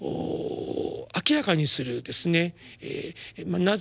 明らかにするまあ